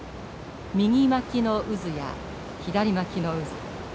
右巻きの渦や左巻きの渦。